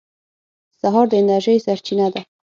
سهار د انرژۍ سرچینه ده.